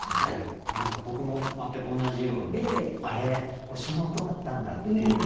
何か僕も全く同じように「あれ星の音だったんだ」っていうね